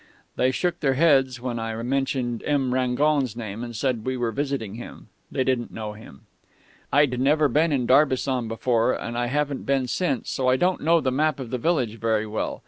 They shook their heads when I mentioned M. Rangon's name and said we were visiting him. They didn't know him.... "I'd never been in Darbisson before, and I haven't been since, so I don't know the map of the village very well.